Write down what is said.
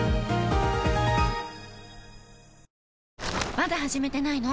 まだ始めてないの？